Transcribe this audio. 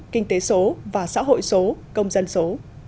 kinh tế số và xã hội số công dân số